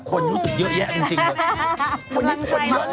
คนรู้สึกเยอะแยะจริงเลย